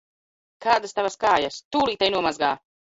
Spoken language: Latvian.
Kādas Tavas kājas! Tūlīt ej nomazgā!